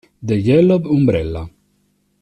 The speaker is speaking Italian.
The Yellow Umbrella